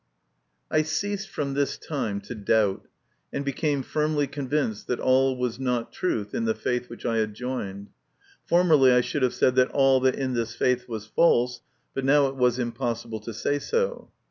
I ceased from this time to doubt, and became firmly convinced that all was not truth in the faith which I had joined. Formerly I should have said that all in this faith was false, but now it was impossible to say so.